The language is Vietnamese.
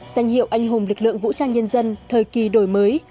danh hiệu anh hùng lực lượng vũ trang nhân dân thời kỳ đổi mới